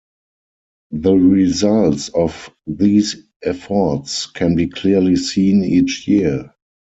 The results of these efforts can be clearly seen each year.